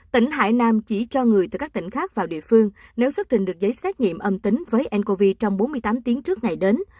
tỉnh hải nam chỉ cho người từ các tỉnh khác vào địa phương nếu xuất trình được giấy xét nghiệm âm tính với ncov trong bốn mươi tám tiếng trước ngày đến